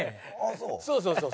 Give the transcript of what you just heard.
そうそうそうそう。